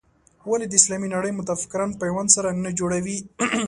ولې د اسلامي نړۍ متفکران پیوند سره نه جوړوي.